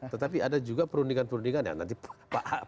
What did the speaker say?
tetapi ada juga perundingan perundingan yang nanti pak andi aja ditangkap